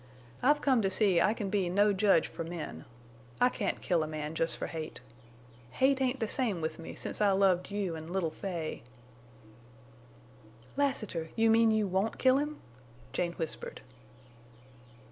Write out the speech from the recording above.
I've come to see I can be no judge for men. I can't kill a man jest for hate. Hate ain't the same with me since I loved you and little Fay." "Lassiter! You mean you won't kill him?" Jane whispered.